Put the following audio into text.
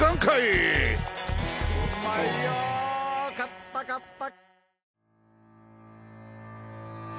うまいよ買った買った。